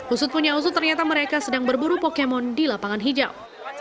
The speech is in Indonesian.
usut punya usut ternyata mereka sedang berburu pokemon di lapangan hijau